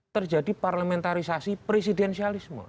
terjadi parlamentarisasi presidensialisme